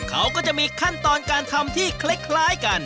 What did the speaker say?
เขาก็จะมีขั้นตอนการทำที่คล้ายกัน